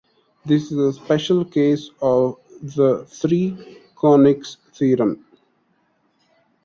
This is a special case of the three conics theorem.